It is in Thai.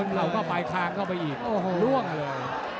สุดท้ายแล้วโดนเข้าไปคลั่งเข้าไปอีกล่วงเลย